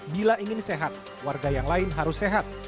bila ingin sehat warga yang lain harus sehat